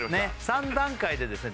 ３段階でですね